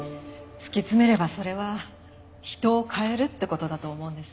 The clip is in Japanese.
突き詰めればそれは人を変えるって事だと思うんです。